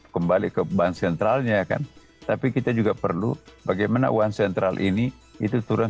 kembali ke bank sentralnya kan tapi kita juga perlu bagaimana uang sentral ini itu turun